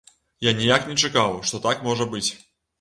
Я ніяк не чакаў, што так можа быць!